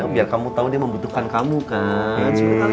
biar kamu tahu dia membutuhkan kamu kan